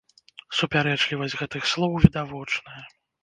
Супярэчлівасць гэтых слоў відавочная.